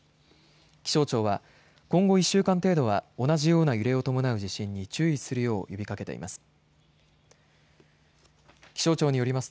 気象庁は今後１週間程度は同じような揺れを伴う地震に注意するよう呼びかけています。